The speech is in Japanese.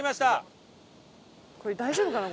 これ大丈夫かな？